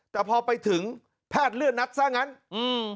แต่พอไปถึงแพทย์เลื่อนนัดซะงั้นอืม